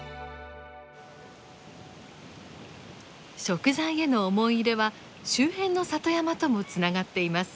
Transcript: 食材への思い入れは周辺の里山ともつながっています。